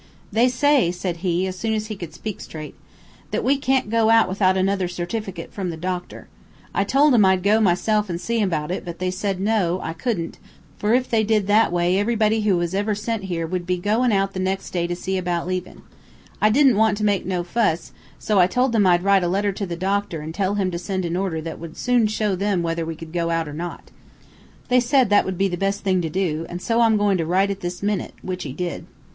"'They say,' said he, as soon as he could speak straight, 'that we can't go out without another certificate from the doctor. I told 'em I'd go myself an' see him about it but they said no, I couldn't, for if they did that way everybody who ever was sent here would be goin' out the next day to see about leavin'. I didn't want to make no fuss, so I told them I'd write a letter to the doctor and tell him to send an order that would soon show them whether we could go out or not. They said that would be the best thing to do, an so I'm goin' to write it this minute,' which he did.